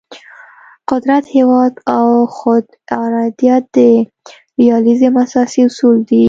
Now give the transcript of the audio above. قدرت، هیواد او خود ارادیت د ریالیزم اساسي اصول دي.